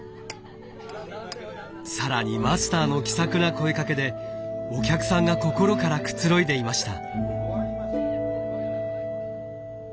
更にマスターの気さくな声かけでお客さんが心からくつろいでいました。